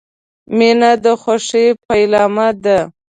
• مینه د خوښۍ پیلامه ده.